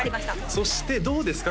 そしてどうですか？